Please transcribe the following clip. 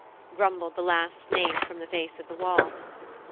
grumbled the last named from the face of the wall.